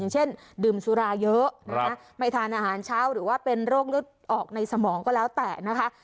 เช่นดื่มสุราเยอะไม่ทานอาหารเช้าหรือว่าเป็นโรคเลือดออกในสมองก็แล้วแต่นะคะ